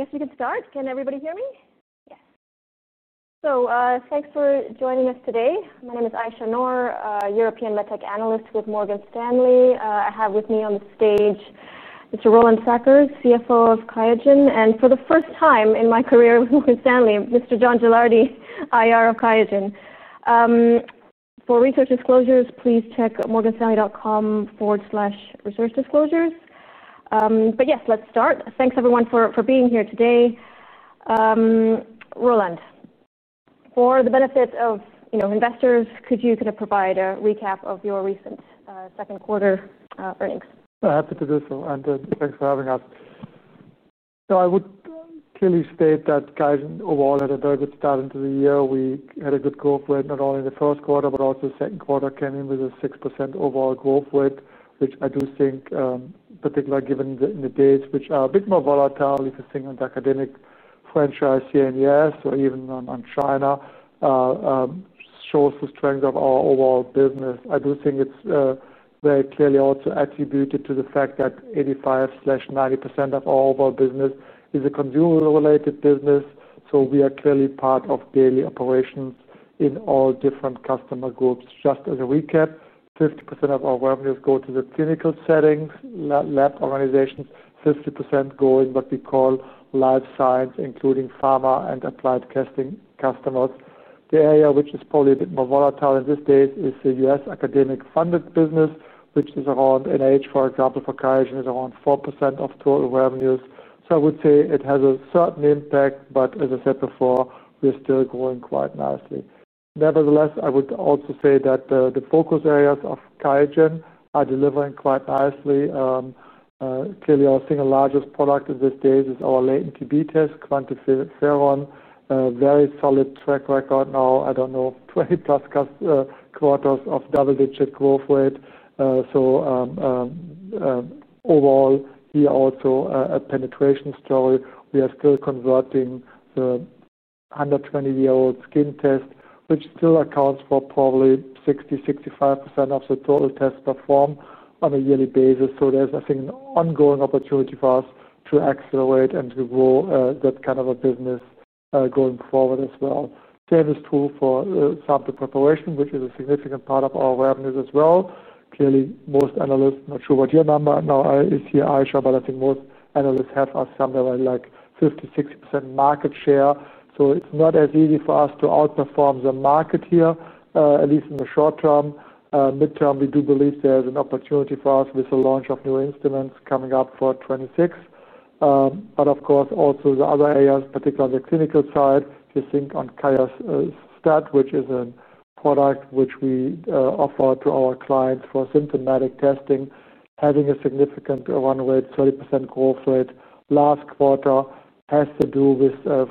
I guess we can start. Can everybody hear me? Yes. Thanks for joining us today. My name is Aisha Noor, European MedTech Analyst with Morgan Stanley. I have with me on the stage Mr. Roland Sackers, CFO of Qiagen, and for the first time in my career with Morgan Stanley, Mr. John Gilardi, IR of Qiagen. For research disclosures, please check morganstanley.com/researchdisclosures. Let's start. Thanks everyone for being here today. Roland, for the benefit of investors, could you kind of provide a recap of your recent second quarter earnings? I'm happy to do so. Thanks for having us. I would clearly state that Qiagen overall had a very good start into the year. We had a good growth rate not only in the first quarter, but also the second quarter came in with a 6% overall growth rate, which I do think, particularly given the in the dates, which are a bit more volatile, if you think on the academic franchise here in the U.S. or even on China, showed the strength of our overall business. I do think it's very clearly also attributed to the fact that 85% to 90% of our overall business is a consumer-related business. We are clearly part of daily operations in all different customer groups. Just as a recap, 50% of our revenues go to the clinical settings, lab organizations, 50% going to what we call life science, including pharma and applied testing customers. The area which is probably a bit more volatile in this date is the U.S. academic funded business, which is around NIH, for example, for Qiagen is around 4% of total revenues. I would say it has a certain impact, but as I said before, we're still growing quite nicely. Nevertheless, I would also say that the focus areas of Qiagen are delivering quite nicely. Clearly, I think our largest product in this date is our lead TB test, QuantiFERON-TB, a very solid track record now. I don't know, 20-plus quarters of double-digit growth rate. Overall, we are also a penetration story. We are still converting the 120-year-old skin test, which still accounts for probably 60% to 65% of the total tests performed on a yearly basis. There's, I think, an ongoing opportunity for us to accelerate and to grow that kind of a business, going forward as well. Same is true for sample preparation, which is a significant part of our revenues as well. Clearly, most analysts, I'm not sure what your number now is here, Aisha, but I think most analysts have us somewhere like 50% to 60% market share. It's not as easy for us to outperform the market here, at least in the short term. Mid-term, we do believe there's an opportunity for us with the launch of new instruments coming up for 2026. Of course, also the other areas, particularly on the clinical side, if you think on QIAstat-Dx, which is a product which we offer to our clients for syndromic testing, having a significant run rate, 30% growth rate last quarter, has to do with us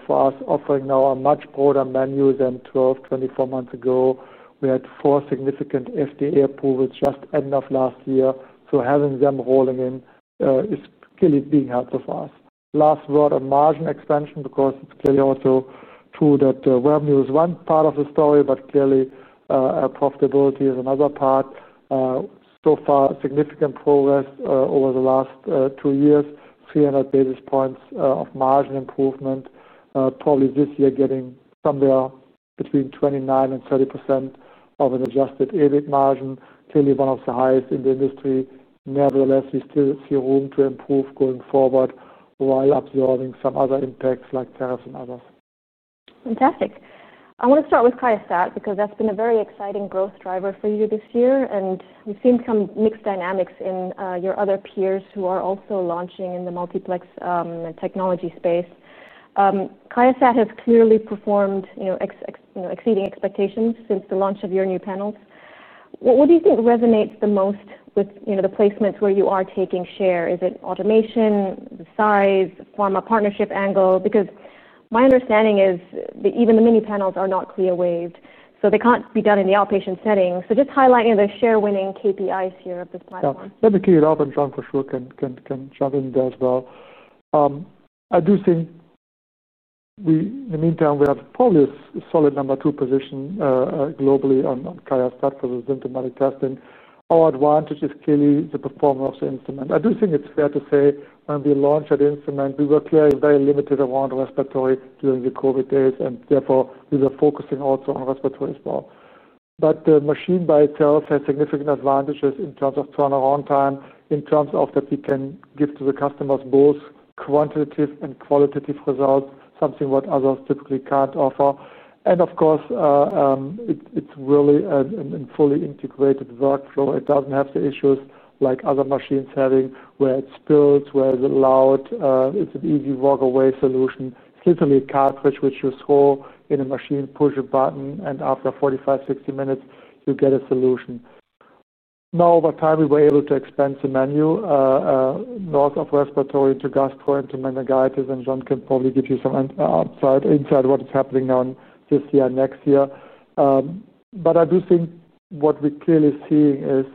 offering now a much broader menu than 12 to 24 months ago. We had four significant FDA approvals just end of last year. Having them rolling in is clearly being helpful for us. Last word on margin expansion because it's clearly also true that revenue is one part of the story, but clearly, profitability is another part. So far, significant progress over the last two years, 300 basis points of margin improvement. Probably this year getting somewhere between 29% and 30% of an adjusted EBIT margin. Clearly, one of the highest in the industry. Nevertheless, we still see room to improve going forward while absorbing some other impacts like tariffs and others. Fantastic. I want to start with Qiagen because that's been a very exciting growth driver for you this year. We've seen some mixed dynamics in your other peers who are also launching in the multiplex technology space. Qiagen has clearly performed, you know, exceeding expectations since the launch of your new panels. What do you think resonates the most with, you know, the placements where you are taking share? Is it automation, the size, pharma partnership angle? My understanding is that even the Mini panels are not CLIA waived, so they can't be done in the outpatient setting. Just highlighting the share-winning KPIs here of this platform. That's clear. I'll jump in for sure. I do think we, in the meantime, we have probably a solid number two position, globally on Qiagen's purposes, symptomatic testing. Our advantage is clearly the performance of the instrument. I do think it's fair to say when we launched that instrument, we were clearly very limited around respiratory during the COVID days, and therefore, we were focusing also on respiratory as well. The machine by itself had significant advantages in terms of turnaround time, in terms of that we can give to the customers both quantitative and qualitative results, something what others typically can't offer. Of course, it's really a fully integrated workflow. It doesn't have the issues like other machines having where it spills, where it's loud. It's an easy walk-away solution. It's literally a cartridge which you scroll in a machine, push a button, and after 45, 60 minutes, you get a solution. Over time, we were able to expand the menu, north of respiratory to gastroenterology, meningitis, and John can probably give you some insight what is happening now in the FDA next year. I do think what we're clearly seeing is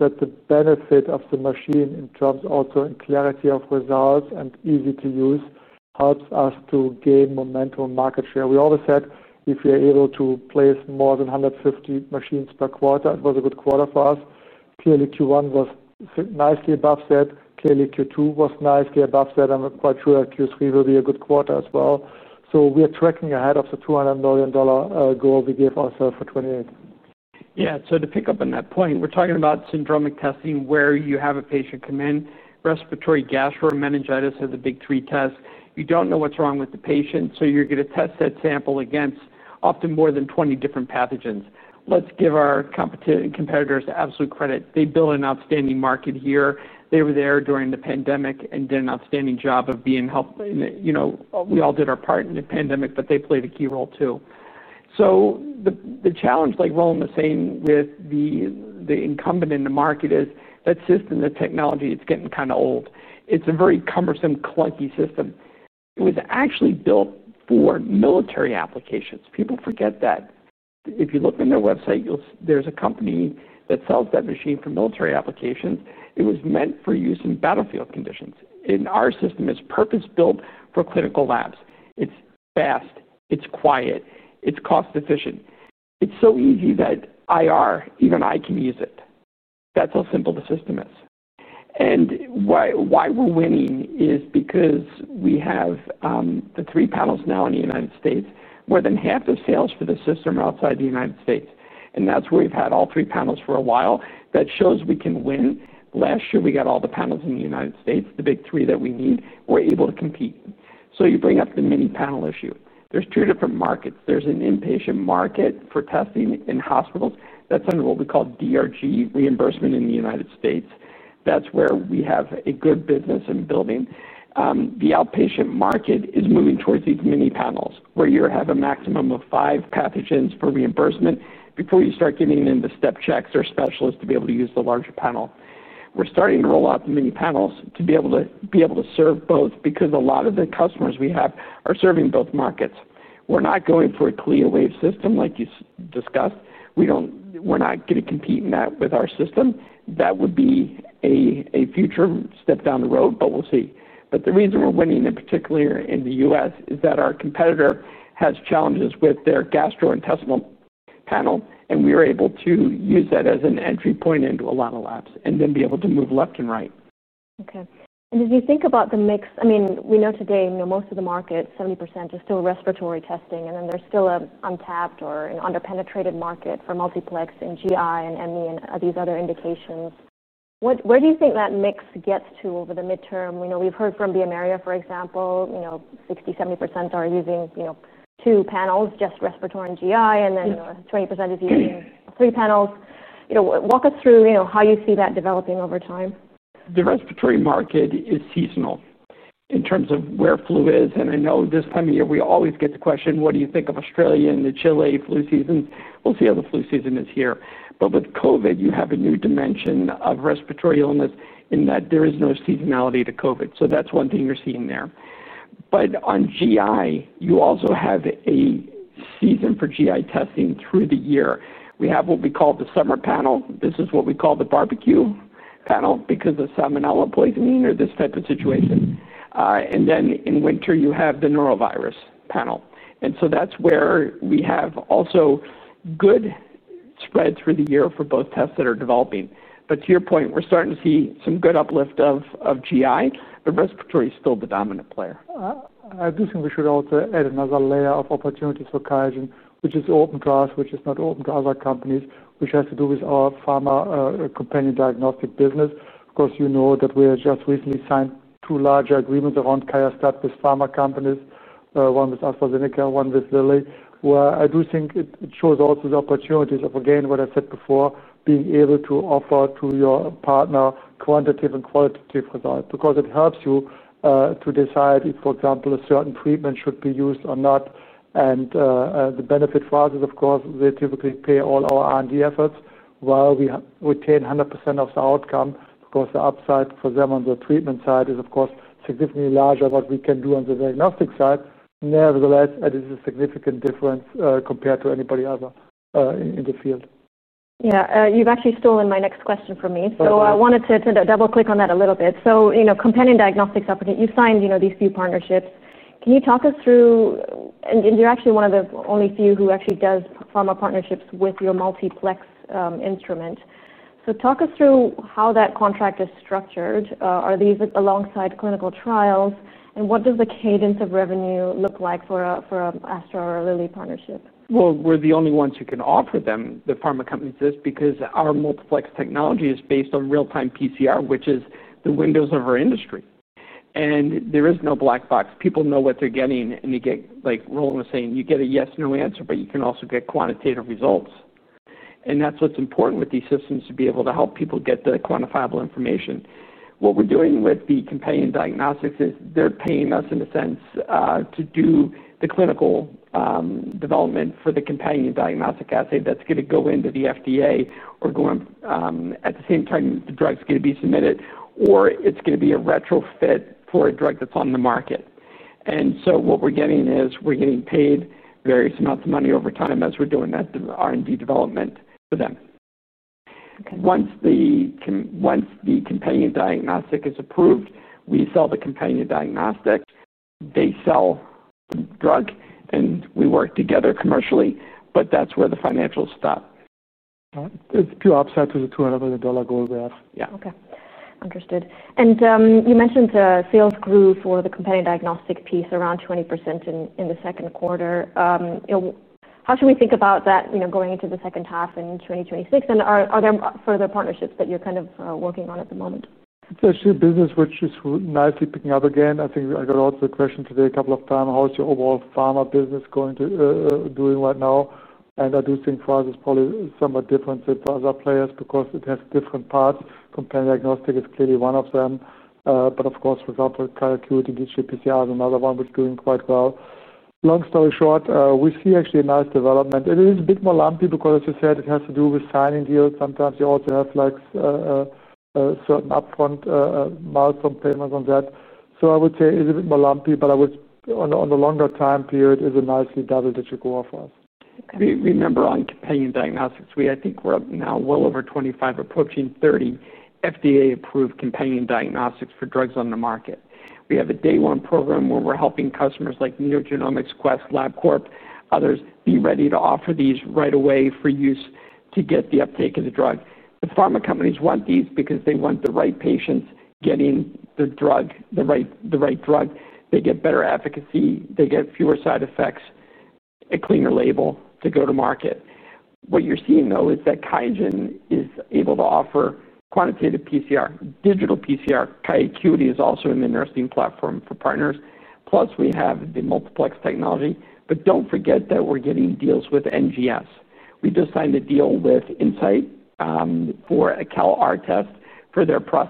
that the benefit of the machine in terms of also clarity of results and easy to use helps us to gain momentum and market share. We always said if we are able to place more than 150 machines per quarter, it was a good quarter for us. Clearly, Q1 was nicely above that. Clearly, Q2 was nicely above that. I'm quite sure that Q3 will be a good quarter as well. We are tracking ahead of the $200 million goal we gave ourselves for 2028. Yeah. To pick up on that point, we're talking about syndromic testing where you have a patient come in, respiratory, gastro, meningitis are the big three tests. You don't know what's wrong with the patient, so you're going to test that sample against often more than 20 different pathogens. Let's give our competitors absolute credit. They built an outstanding market here. They were there during the pandemic and did an outstanding job of being helpful. We all did our part in the pandemic, but they played a key role too. The challenge, like Roland was saying, with the incumbent in the market is that system, the technology, it's getting kind of old. It's a very cumbersome, clunky system. It was actually built for military applications. People forget that. If you look on their website, there's a company that sells that machine for military applications. It was meant for use in battlefield conditions. In our system, it's purpose-built for clinical labs. It's fast. It's quiet. It's cost-efficient. It's so easy that IR, even I can use it. That's how simple the system is. Why we're winning is because we have the three panels now in the United States, more than half the sales for the system outside the United States. That's where we've had all three panels for a while. That shows we can win. Last year, we got all the panels in the United States, the big three that we need. We're able to compete. You bring up the mini panel issue. There's two different markets. There's an inpatient market for testing in hospitals. That's under what we call DRG, reimbursement in the United States. That's where we have a good business in building. The outpatient market is moving towards these mini panels where you have a maximum of five pathogens for reimbursement before you start getting into step checks or specialists to be able to use the larger panel. We're starting to roll out the mini panels to be able to serve both because a lot of the customers we have are serving both markets. We're not going for a clear wave system like you discussed. We're not going to compete in that with our system. That would be a future step down the road, but we'll see. The reason we're winning, in particular, in the U.S., is that our competitor has challenges with their gastrointestinal panel, and we were able to use that as an entry point into a lot of labs and then be able to move left and right. Okay. As you think about the mix, we know today most of the market, 70% is still respiratory testing, and then there's still an untapped or underpenetrated market for multiplex and GI and ME and these other indications. Where do you think that mix gets to over the midterm? We've heard from bioMérieux, for example, 60-70% are using two panels, just respiratory and GI, and then 20% is using three panels. Walk us through how you see that developing over time. The respiratory market is seasonal in terms of where flu is. I know this time of year, we always get the question, what do you think of Australia and the Chile flu season? We'll see how the flu season is here. With COVID, you have a new dimension of respiratory illness in that there is no seasonality to COVID. That's one thing you're seeing there. On GI, you also have a season for GI testing through the year. We have what we call the summer panel. This is what we call the barbecue panel because of salmonella poisoning or this type of situation. In winter, you have the norovirus panel. That's where we have also good spreads for the year for both tests that are developing. To your point, we're starting to see some good uplift of GI, but respiratory is still the dominant player. I do think we should also add another layer of opportunities for Qiagen, which is open to us, which is not open to other companies, which has to do with our pharma companion diagnostic business. Of course, you know that we just recently signed two larger agreements around QIAstat-Dx with pharma companies, one with AstraZeneca, one with Eli Lilly, where I do think it shows also the opportunities of, again, what I said before, being able to offer to your partner quantitative and qualitative results because it helps you to decide if, for example, a certain treatment should be used or not. The benefit for us is, of course, they typically pay all our R&D efforts while we retain 100% of the outcome because the upside for them on the treatment side is, of course, significantly larger than what we can do on the diagnostic side. Nevertheless, it is a significant difference compared to anybody else in the field. Yeah. You've actually stolen my next question from me. I wanted to double-click on that a little bit. You know, companion diagnostics opportunity, you signed, you know, these few partnerships. Can you talk us through, and you're actually one of the only few who actually does pharma partnerships with your multiplex instrument. Talk us through how that contract is structured. Are these alongside clinical trials? What does the cadence of revenue look like for an AstraZeneca or a Lilly partnership? We're the only ones who can offer them, the pharma companies, because our multiplex technology is based on real-time PCR, which is the windows of our industry. There is no black box. People know what they're getting. You get, like Roland was saying, a yes-no answer, but you can also get quantitative results. That's what's important with these systems, to be able to help people get the quantifiable information. What we're doing with the companion diagnostics is they're paying us, in a sense, to do the clinical development for the companion diagnostic assay that's going to go into the FDA or go in at the same time the drug's going to be submitted, or it's going to be a retrofit for a drug that's on the market. What we're getting is we're getting paid various amounts of money over time as we're doing that R&D development for them. Once the companion diagnostic is approved, we sell the companion diagnostic, they sell the drug, and we work together commercially. That's where the financials stop. It's two upsides to the $2 billion growth graph. Okay. Understood. You mentioned sales grew for the companion diagnostics piece around 20% in the second quarter. How should we think about that going into the second half in 2026? Are there further partnerships that you're kind of working on at the moment? There's two businesses which are nicely picking up again. I think I got a lot of the questions today a couple of times. How is your overall pharma business going to doing right now? I do think for us, it's probably somewhat different than for other players because it has different parts. Companion diagnostics is clearly one of them. Of course, for example, cardiac acuity digital PCR is another one which is doing quite well. Long story short, we see actually a nice development. It is a bit more lumpy because, as you said, it has to do with signing deals. Sometimes you also have certain upfront milestone payments on that. I would say it is a bit more lumpy, but on the longer time period, it is a nicely double-digit growth for us. Remember, on companion diagnostics, I think we're now well over 25, approaching 30 FDA-approved companion diagnostics for drugs on the market. We have a day-one program where we're helping customers like NeoGenomics, Quest, LabCorp, others, be ready to offer these right away for use to get the uptake of the drug. The pharma companies want these because they want the right patients getting the drug, the right drug. They get better efficacy, they get fewer side effects, a cleaner label to go to market. What you're seeing, though, is that Qiagen is able to offer quantitative PCR, digital PCR. Cardiac acuity is also in the nursing platform for partners. Plus, we have the multiplex technology. Don't forget that we're getting deals with NGS. We just signed a deal with Insight for a CALR test for their bone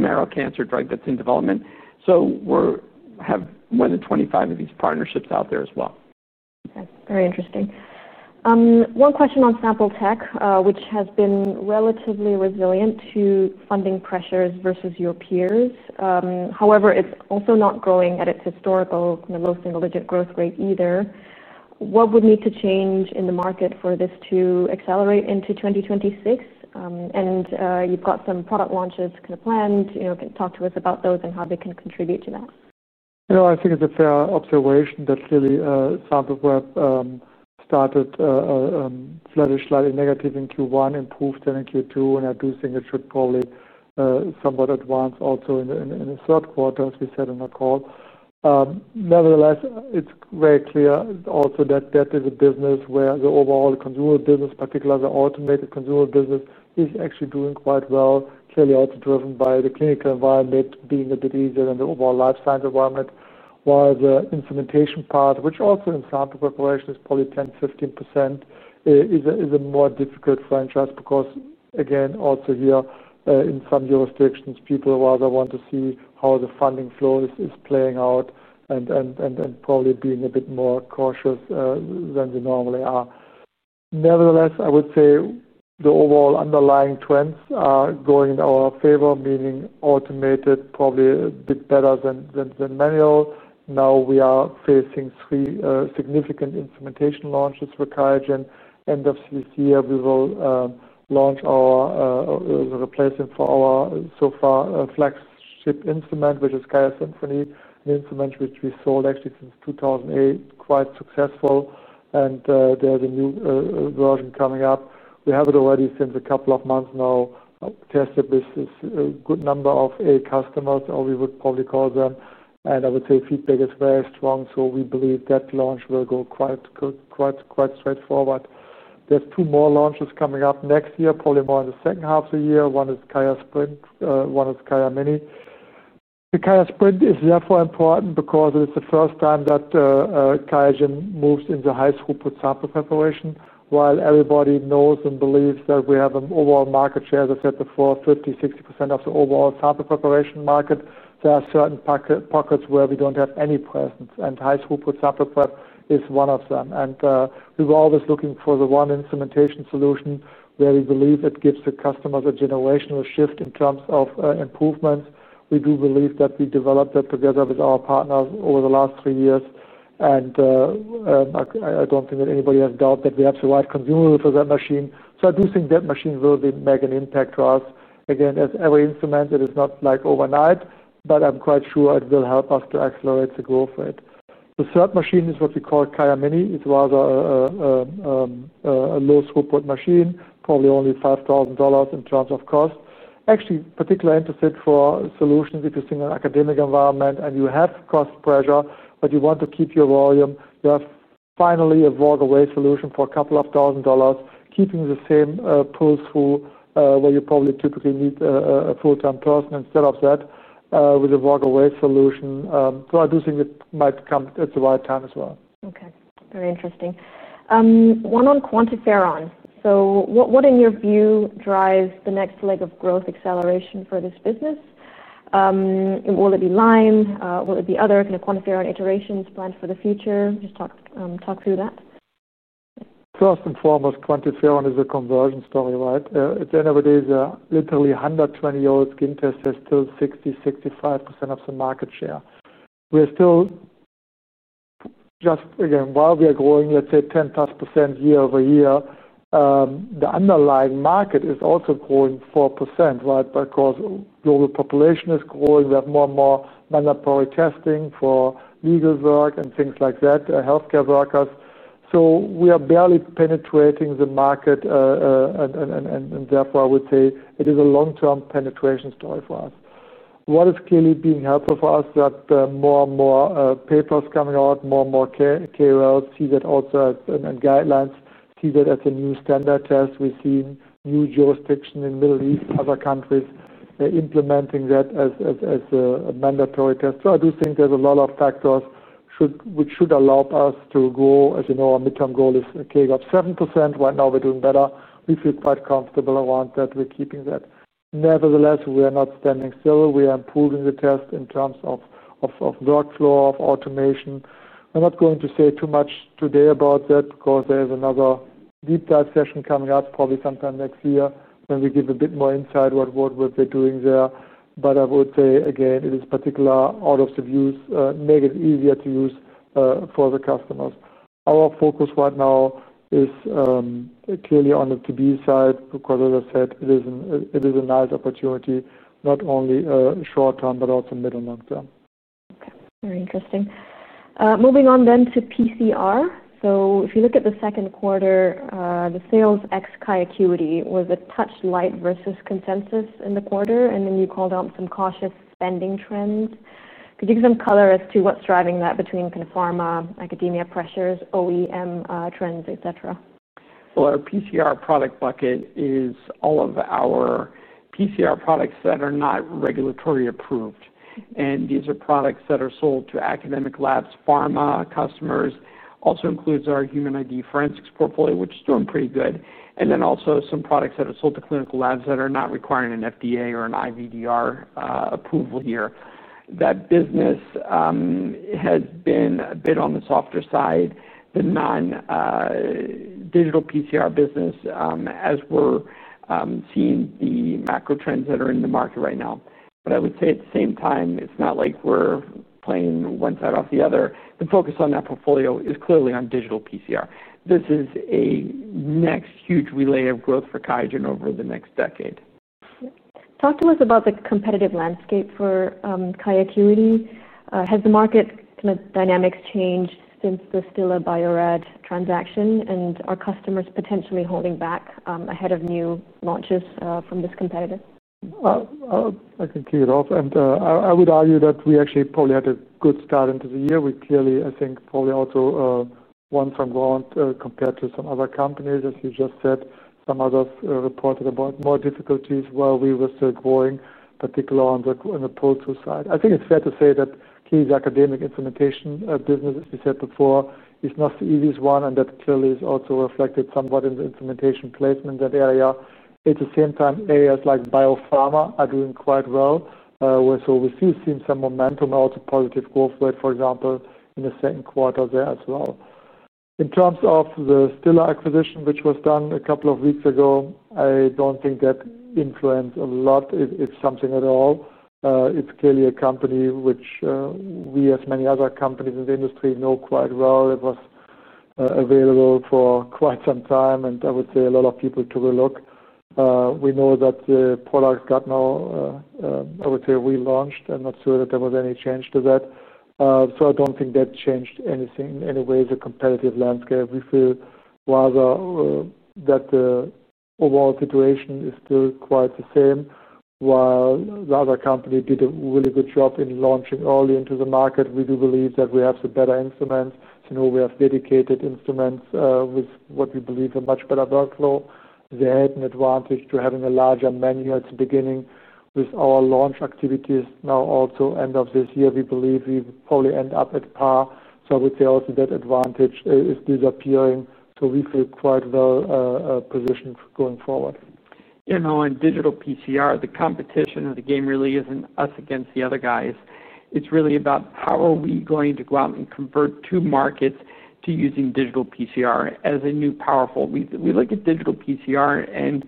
marrow cancer drug that's in development. We have more than 25 of these partnerships out there as well. Okay. Very interesting. One question on sample tech, which has been relatively resilient to funding pressures versus your peers. However, it's also not growing at its historical, you know, low single-digit growth rate either. What would need to change in the market for this to accelerate into 2026? You've got some product launches kind of planned. You know, talk to us about those and how they can contribute to that. No, I think it's a fair observation that really, sample prep started, flourished slightly negative in Q1, improved then in Q2. I do think it should probably, somewhat advance also in the third quarter, as we said in our call. Nevertheless, it's very clear also that that is a business where the overall consumer business, particularly the automated consumer business, is actually doing quite well, clearly also driven by the clinical environment being a bit easier than the overall life science environment. While the instrumentation part, which also in sample preparation is probably 10%, 15%, is a more difficult franchise because, again, also here, in some jurisdictions, people rather want to see how the funding flow is playing out and probably being a bit more cautious than we normally are. Nevertheless, I would say the overall underlying trends are going in our favor, meaning automated probably a bit better than manual. Now we are facing three significant instrumentation launches for Qiagen. End of this year, we will launch the replacement for our so far flagship instrument, which is Qiagen Symphony, an instrument which we sold actually since 2008, quite successful, and there's a new version coming up. We have it already since a couple of months now, tested with a good number of A customers, or we would probably call them, and I would say feedback is very strong. We believe that launch will go quite straightforward. There's two more launches coming up next year, probably more in the second half of the year. One is Qiagen Sprint, one is Qiagen Mini. The Qiagen Sprint is therefore important because it is the first time that Qiagen moves into high school preparation. While everybody knows and believes that we have an overall market share, as I said before, 50%, 60% of the overall sample preparation market, there are certain pockets where we don't have any presence, and high school preparation is one of them. We were always looking for the one instrumentation solution where we believe it gives the customers a generational shift in terms of improvements. We do believe that we developed that together with our partner over the last three years, and I don't think that anybody has doubt that we have the right consumables for that machine. I do think that machine will make an impact for us. Again, as every instrument, it is not like overnight, but I'm quite sure it will help us to accelerate the growth rate. The third machine is what we call Mini. It's rather a low-scope machine, probably only $5,000 in terms of cost. Actually, particularly interested for solutions if you think of an academic environment and you have cost pressure, but you want to keep your volume. You have finally a walk-away solution for a couple of thousand dollars, keeping the same pull-through where you probably typically need a full-time person. Instead of that, with a walk-away solution, I do think it might come at the right time as well. Okay. Very interesting. One on QuantiFERON. What, in your view, drives the next leg of growth acceleration for this business? Will it be LIME? Will it be other kind of QuantiFERON iterations planned for the future? Just talk through that. First and foremost, QuantiFERON is a conversion story, right? At the end of the day, literally 120-year-old skin tests still have 60, 65% of the market share. We're still just, again, while we are growing, let's say, 10+% year over year, the underlying market is also growing 4%, right? Because the global population is growing. We have more and more mandatory testing for legal work and things like that, healthcare workers. We are barely penetrating the market. Therefore, I would say it is a long-term penetration story for us. What is clearly being helpful for us is that more and more papers are coming out, more and more KOLs see that also as guidelines, see that as a new standard test. We're seeing new jurisdictions in the Middle East, other countries, implementing that as a mandatory test. I do think there's a lot of factors which should allow us to grow, as you know, our midterm goal is a CAGR of 7%. Right now, we're doing better. We feel quite comfortable around that. We're keeping that. Nevertheless, we are not standing still. We are improving the test in terms of workflow, of automation. I'm not going to say too much today about that because there's another deep dive session coming up probably sometime next year when we give a bit more insight to what we're doing there. I would say, again, it is particularly out of the view to make it easier to use for the customers. Our focus right now is clearly on the TB side because, as I said, it is a nice opportunity, not only short term, but also middle and long term. Okay. Very interesting. Moving on then to PCR. If you look at the second quarter, the sales ex-cardiac acuity was a touch light versus consensus in the quarter, and you called out some cautious spending trends. Give some color as to what's driving that between kind of pharma, academia pressures, OEM trends, etc. Our PCR product bucket is all of our PCR products that are not regulatory approved. These are products that are sold to academic labs, pharma customers. It also includes our human ID forensics portfolio, which is doing pretty good. There are also some products that are sold to clinical labs that are not requiring an FDA or an IVDR approval here. That business had been a bit on the softer side, the non-digital PCR business, as we're seeing the macro trends that are in the market right now. I would say at the same time, it's not like we're playing one side off the other. The focus on that portfolio is clearly on digital PCR. This is a next huge relay of growth for Qiagen over the next decade. Talk to us about the competitive landscape for cardiac acuity. Has the market kind of dynamics changed since the Stella Bio-Rad transaction, and are customers potentially holding back ahead of new launches from this competitor? I can kick it off. I would argue that we actually probably had a good start into the year. We clearly, I think, probably also won some ground compared to some other companies, as you just said. Some others reported about more difficulties while we were still growing, particularly on the pull-through side. I think it's fair to say that key academic instrumentation business, as we said before, is not the easiest one, and that clearly is also reflected somewhat in the instrumentation placement in that area. At the same time, areas like biopharma are doing quite well. We still see some momentum and also positive growth rate, for example, in the second quarter there as well. In terms of the Stella acquisition, which was done a couple of weeks ago, I don't think that influenced a lot, if something at all. It's clearly a company which we, as many other companies in the industry, know quite well. It was available for quite some time, and I would say a lot of people took a look. We know that the product got now, I would say, relaunched. I'm not sure that there was any change to that. I don't think that changed anything in any way the competitive landscape. We feel rather that the overall situation is still quite the same. While the other company did a really good job in launching early into the market, we do believe that we have some better instruments. Now we have dedicated instruments, with what we believe is a much better workflow. They had an advantage to having a larger menu at the beginning with our launch activities. Now, also end of this year, we believe we probably end up at par. I would say also that advantage is disappearing. We feel quite well positioned going forward. Yeah. No, and digital PCR, the competition of the game really isn't us against the other guys. It's really about how are we going to go out and convert two markets to using digital PCR as a new powerful. We look at digital PCR, and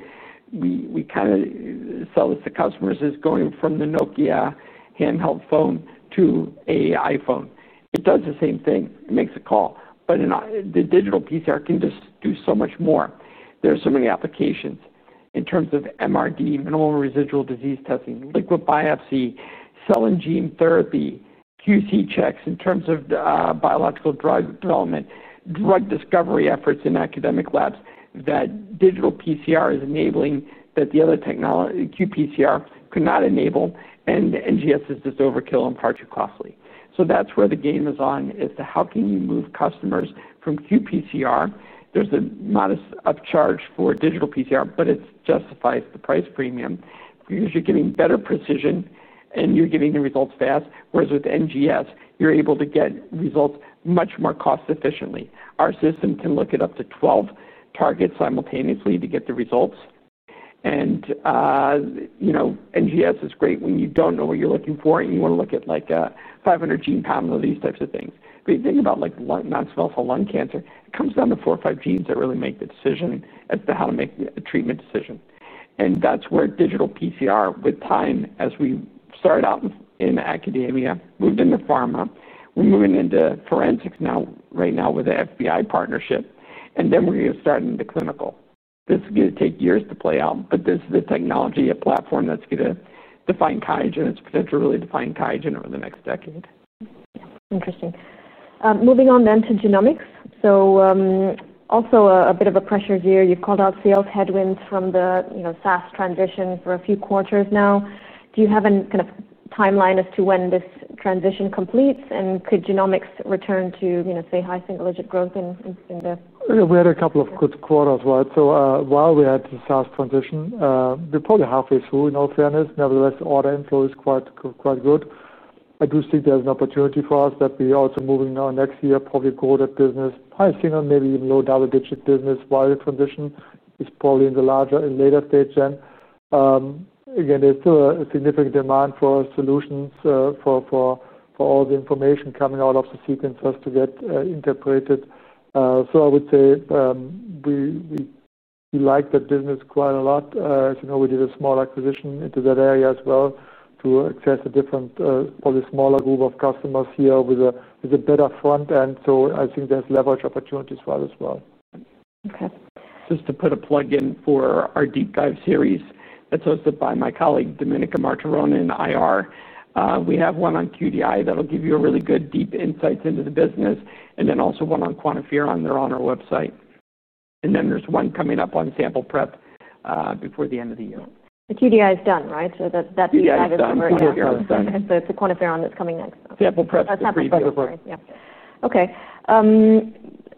we kind of sell it to customers as going from the Nokia handheld phone to an iPhone. It does the same thing. It makes a call, but the digital PCR can just do so much more. There are so many applications in terms of minimal residual disease testing, liquid biopsy, cell and gene therapy, QC checks in terms of biological drug development, drug discovery efforts in academic labs that digital PCR is enabling that the other technology, qPCR, could not enable. NGS is just overkill and far too costly. That's where the game is on as to how can you move customers from qPCR. There's a modest upcharge for digital PCR, but it justifies the price premium because you're getting better precision and you're getting the results fast, whereas with NGS, you're able to get results much more cost-efficiently. Our system can look at up to 12 targets simultaneously to get the results. NGS is great when you don't know what you're looking for and you want to look at like a 500 gene panel or these types of things. You think about like non-small cell lung cancer, it comes down to four or five genes that really make the decision as to how to make a treatment decision. That's where digital PCR, with time, as we started out in academia, moved into pharma. We're moving into forensics now, right now with the FBI partnership. We're going to start into clinical. This is going to take years to play out, but this is the technology, a platform that's going to define Qiagen and its potential really to define Qiagen over the next decade. Interesting. Moving on to genomics. Also, a bit of a pressure here. You've called out sales headwinds from the SaaS transition for a few quarters now. Do you have any kind of timeline as to when this transition completes? Could genomics return to, you know, say, high single-digit growth in the? We had a couple of good quarters, right? While we had the SaaS transition, we're probably halfway through, in all fairness. Nevertheless, the order inflow is quite good. I do think there's an opportunity for us that we are also moving now next year, probably a quarter business, high single and maybe even low double-digit business while the transition is probably in the larger and later stage then. There's still a significant demand for solutions, for all the information coming out of the sequences to get interpreted. I would say we like that business quite a lot. As you know, we did a small acquisition into that area as well to access a different, probably smaller group of customers here with a better front end. I think there's leverage opportunities for us as well. Okay. Just to put a plug in for our deep dive series, that's hosted by my colleague, Dominika Martoron in IR. We have one on QIAstat-Dx that'll give you a really good deep insight into the business, and then also one on QuantiFERON-TB that are on our website. There's one coming up on sample prep before the end of the year. The QDI is done, right? That deep dive is over here. Yeah, the QIAstat-Dx is done. It's the QuantiFERON that's coming next. Sample prep is pretty big as well. Yeah. Okay.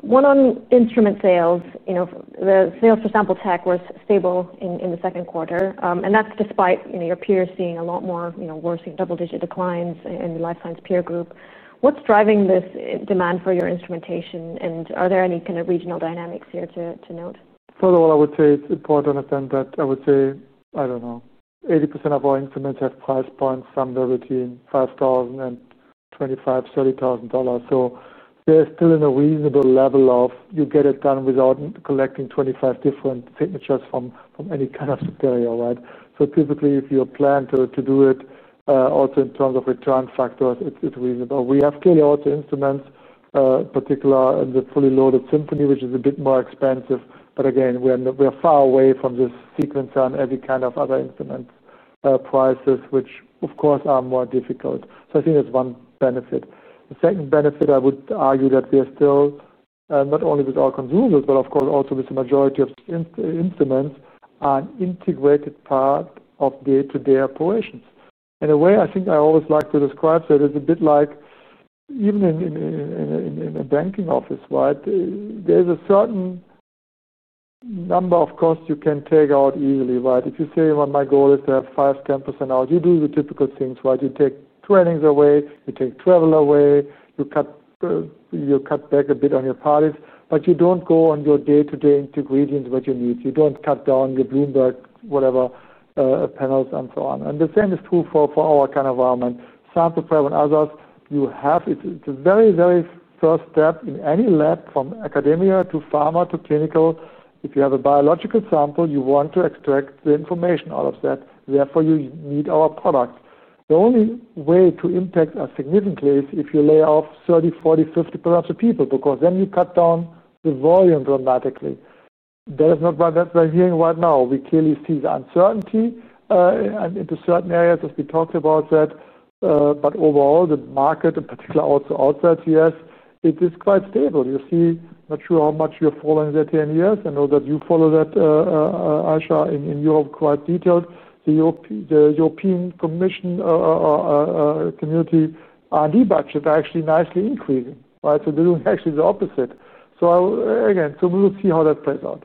One on instrument sales. The sales for sample tech were stable in the second quarter, and that's despite your peers seeing a lot more worsening double-digit declines in the life science peer group. What's driving this demand for your instrumentation? Are there any kind of regional dynamics here to note? First of all, I would say it's important to understand that I would say, I don't know, 80% of our instruments have price points somewhere between $5,000 and $25,000, $30,000. There's still a reasonable level of you get it done without collecting 25 different signatures from any kind of superior, right? Typically, if you plan to do it, also in terms of return factors, it's reasonable. We have clearly also instruments, particularly in the fully loaded Symphony, which is a bit more expensive. Again, we're far away from this sequence on every kind of other instruments, prices, which of course are more difficult. I think that's one benefit. The second benefit, I would argue that there's still, not only with our consumables, but of course also with the majority of instruments, are an integrated part of day-to-day operations. In a way, I think I always like to describe it as a bit like even in a banking office, right? There's a certain number of costs you can take out easily, right? If you say, my goal is to have five scan personnel, you do the typical things, you take trainings away, you take travel away, you cut back a bit on your parties, but you don't go on your day-to-day ingredients with your needs. You don't cut down your Bloomberg, whatever, panels and so on. The same is true for our kind of environment. Sample prep and others, you have, it's a very, very first step in any lab from academia to pharma to clinical. If you have a biological sample, you want to extract the information out of that. Therefore, you need our product. The only way to impact us significantly is if you lay off 30%, 40%, 50% of people because then you cut down the volume dramatically. That is not what we're hearing right now. We clearly see the uncertainty, and into certain areas, as we talked about that. Overall, the market, particularly also outside the U.S., it is quite stable. You see, I'm not sure how much you're following the 10 years. I know that you follow that, Aisha, in Europe quite detailed. The European Commission, community R&D budget actually nicely increased, right? They're doing actually the opposite. I will, again, we will see how that plays out.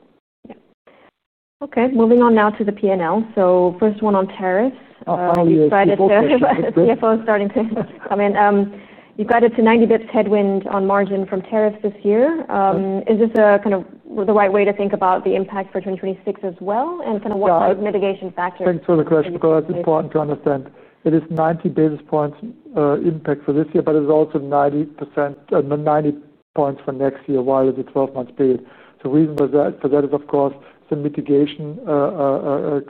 Okay. Moving on now to the P&L. The first one on tariffs. You've got it too, the CFO is starting to come in. You've got it to 90 bps headwind on margin from tariffs this year. Is this kind of the right way to think about the impact for 2026 as well? What mitigation factors? Thanks for the question because it's important to understand. It is 90 basis points impact for this year, but it's also 90 basis points for next year while it's a 12-month period. The reason for that is, of course, some mitigation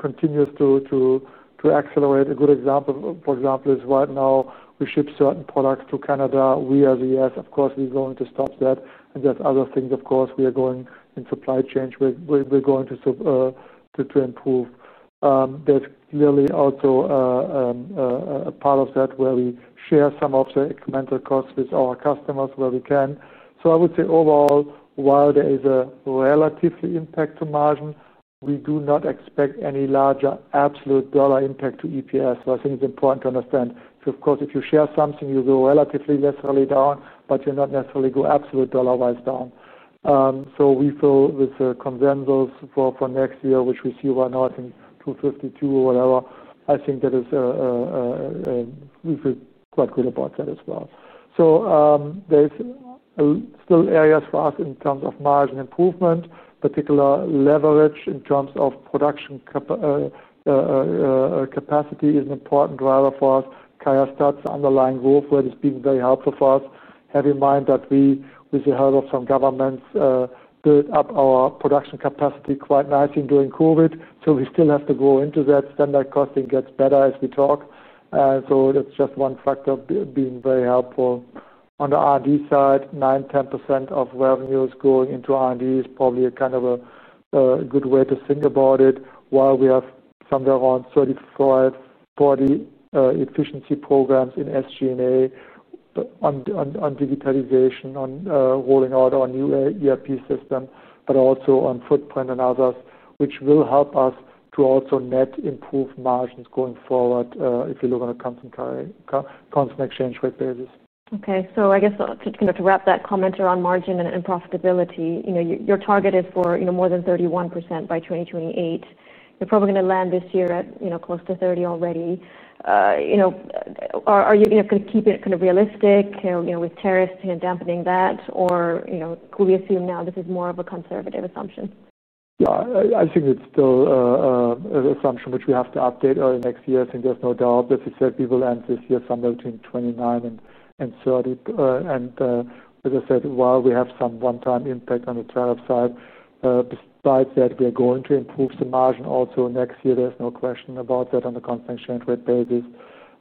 continues to accelerate. A good example is right now we ship certain products to Canada. We as a U.S., of course, we're going to stop that. There are other things, of course, we are going in supply chains. We're going to improve. There's clearly also a part of that where we share some of the incremental costs with our customers where we can. I would say overall, while there is a relative impact to margin, we do not expect any larger absolute dollar impact to EPS. I think it's important to understand. If you share something, you go relatively necessarily down, but you're not necessarily going absolute dollar-wise down. We feel with the conventions for next year, which we see right now, I think 252 or whatever, I think that is, we feel quite good about that as well. There are still areas for us in terms of margin improvement, particular leverage in terms of production. Capacity is an important driver for us. Qiagen starts the underlying growth rate. It's been very helpful for us. Have in mind that we see hurdles from governments, built up our production capacity quite nicely during COVID. We still have to grow into that. Standard costing gets better as we talk, and that's just one factor being very helpful. On the R&D side, 9-10% of revenues going into R&D is probably a good way to think about it. We have somewhere around 35-40 efficiency programs in SG&A, on digitalization, on rolling out our new ERP system, but also on footprint and others, which will help us to also net improve margins going forward if you look on a constant exchange rate basis. Okay. To kind of wrap that comment around margin and profitability, your target is for more than 31% by 2028. You're probably going to land this year at close to 30% already. Are you going to keep it kind of realistic with tariffs and dampening that? Or could we assume now this is more of a conservative assumption? Yeah, I think it's still an assumption which we have to update early next year. I think there's no doubt, as I said, we will end this year somewhere between 29 and 30. As I said, while we have some one-time impact on the tariff side, despite that, we are going to improve the margin also next year. There's no question about that on the constant exchange rate basis.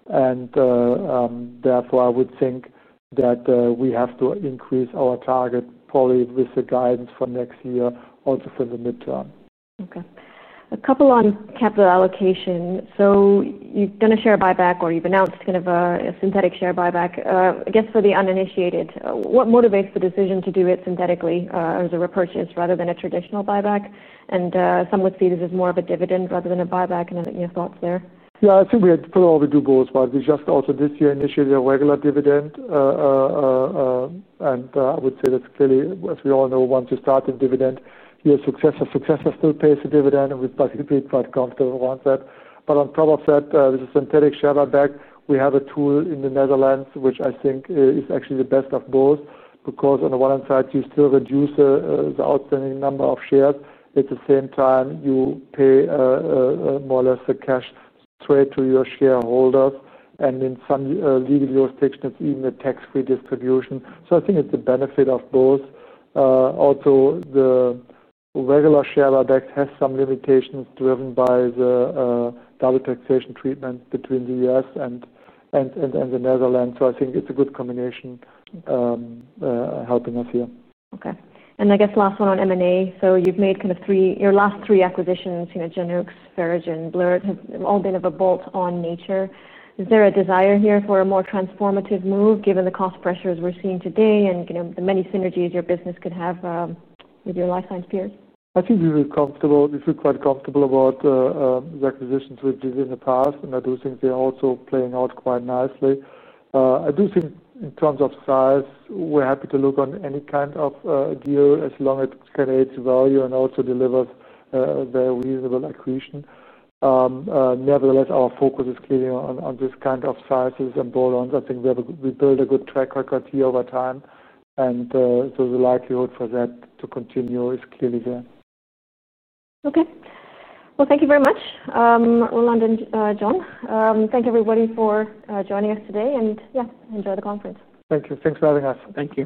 Therefore, I would think that we have to increase our target probably with the guidance for next year also for the mid-term. Okay. A couple on capital allocation. You're going to share a buyback or you've announced kind of a synthetic share buyback. I guess for the uninitiated, what motivates the decision to do it synthetically as a repurchase rather than a traditional buyback? Some would see this as more of a dividend rather than a buyback. Any thoughts there? Yeah, I think we had put all the doubles, but we just also this year initiated a regular dividend. I would say that's clearly, as we all know, once you start a dividend, your successor still pays a dividend. We're basically quite comfortable around that. On top of that, with a synthetic share buyback, we have a tool in the Netherlands, which I think is actually the best of both because on the one hand side, you still reduce the outstanding number of shares. At the same time, you pay, more or less, a cash straight to your shareholders. In some legal jurisdictions, it's even a tax-free distribution. I think it's the benefit of both. Also, the regular share buyback has some limitations driven by the double taxation treatment between the U.S. and the Netherlands. I think it's a good combination, helping us here. Okay. I guess last one on M&A. You've made kind of three, your last three acquisitions, you know, GenX, Verogen, BLIRT, have all been of a bolt-on nature. Is there a desire here for a more transformative move given the cost pressures we're seeing today and the many synergies your business could have with your life science peers? I feel really comfortable. We feel quite comfortable about the acquisitions we did in the past. I do think they're also playing out quite nicely. I do think in terms of size, we're happy to look on any kind of deal as long as it generates value and also delivers very reasonable acquisition. Nevertheless, our focus is clearly on this kind of cycles and bolt-on runs. I think we have a we build a good track record here over time, and the likelihood for that to continue is clearly there. Thank you very much, Roland and John. Thank everybody for joining us today. Enjoy the conference. Thank you. Thanks for having us. Thank you.